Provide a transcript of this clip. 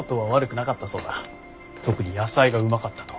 特に野菜がうまかったと。